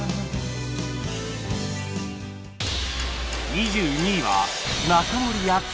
２２位は